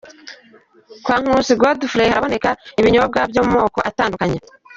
Kwa Nkusi Godfrey haboneka ibinyobwa byo mu moko atandukanye.